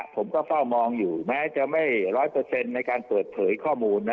ผมก็เฝ้ามองอยู่แม้จะไม่ร้อยเปอร์เซ็นต์ในการเปิดเผยข้อมูลนะ